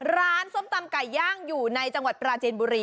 ส้มตำไก่ย่างอยู่ในจังหวัดปราจีนบุรี